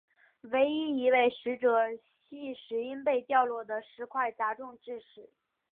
唯一一位死者系因被掉落的石块砸中致死。